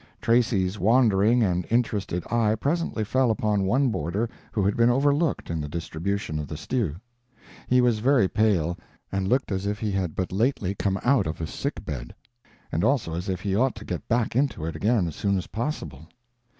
Tracy's wandering and interested eye presently fell upon one boarder who had been overlooked in the distribution of the stew. He was very pale and looked as if he had but lately come out of a sick bed, and also as if he ought to get back into it again as soon as possible.